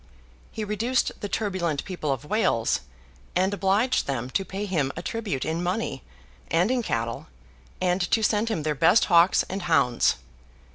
He reduced the turbulent people of Wales, and obliged them to pay him a tribute in money, and in cattle, and to send him their best hawks and hounds.